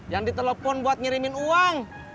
yang ditelepon buat ngirimin uang